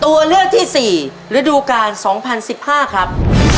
ตัวเลือกที่๔ฤดูกาล๒๐๑๕ครับ